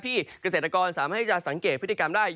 นิดอื่นที่เกษตรกรสามารถให้สังเกตพฤติกรรมได้